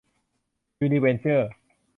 ยูนิเวนเจอร์